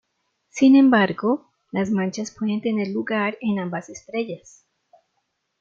Sin embargo, las manchas pueden tener lugar en ambas estrellas.